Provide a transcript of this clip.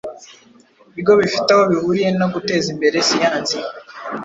bigo bifite aho bihuriye no guteza imbere siyansi.